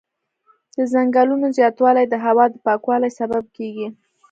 د ځنګلونو زیاتوالی د هوا د پاکوالي سبب کېږي.